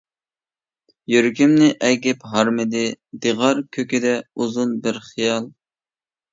يۈرىكىمنى ئەگىپ ھارمىدى، دىغار كۆكىدە ئۇزۇن بىر خىيال.